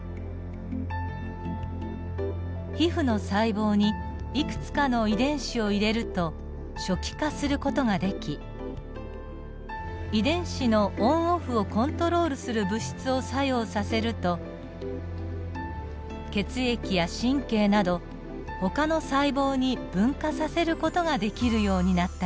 皮膚の細胞にいくつかの遺伝子を入れると初期化する事ができ遺伝子のオンオフをコントロールする物質を作用させると血液や神経などほかの細胞に分化させる事ができるようになったのです。